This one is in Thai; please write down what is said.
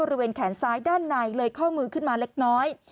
บริเวณแขนซ้ายด้านในเลยข้อมือขึ้นมาเล็กน้อย